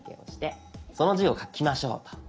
その字を書きましょうと。